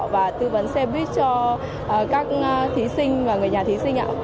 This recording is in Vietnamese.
và tư vấn xe buýt cho các thí sinh và người nhà thí sinh ạ